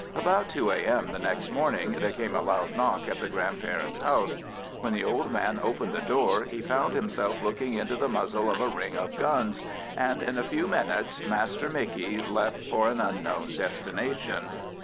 About 2 A.M. the next morning there came a loud knock at the grandparents' house. When the old man opened the door he found himself looking into the muzzles of a ring of guns, and in a few minutes Master Micky left for an unknown destination.